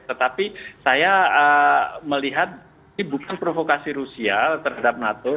tetapi saya melihat ini bukan provokasi rusia terhadap nato